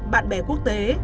bạn bè quốc tế